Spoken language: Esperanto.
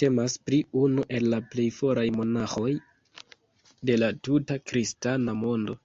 Temas pri unu el la plej foraj monaĥoj de la tuta kristana mondo.